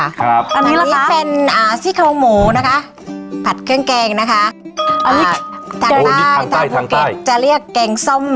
อันนี้เป็นสิ้นเข้าหมูนะคะผัดเครื่องแกงนะคะทางใต้จะเรียกแกงส้ม